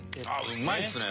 うまいっすね！